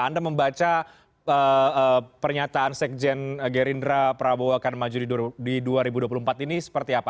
anda membaca pernyataan sekjen gerindra prabowo akan maju di dua ribu dua puluh empat ini seperti apa